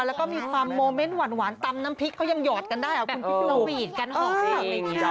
แล้วก็มีความโมเมนท์หวานตำน้ำพริกเขายังหยอดกันได้เหรอคุณพี่ปุ๊บ